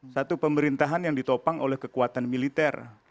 satu pemerintahan yang ditopang oleh kekuatan militer